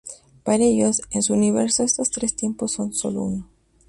Para ellos, en su universo, estos tres tiempos son sólo uno.